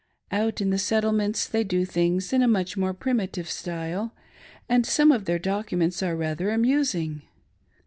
Out in the Settlements they do things in a much more primitive style, and some of their documents are rathef amusing.